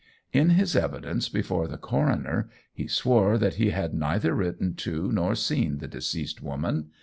In his evidence before the coroner, he swore that he had neither written to nor seen the deceased woman.